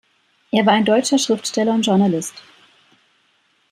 Er war ein deutscher Schriftsteller und Journalist.